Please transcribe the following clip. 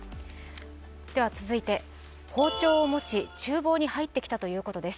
続いて包丁を持ち、ちゅう房に入ってきたということです。